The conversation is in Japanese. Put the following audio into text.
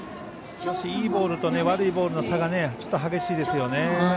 いいボールと悪いボールの差がちょっと激しいですよね。